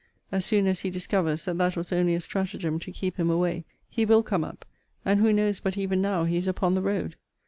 As soon as he discovers that that was only a stratagem to keep him away, he will come up, and who knows but even now he is upon the road?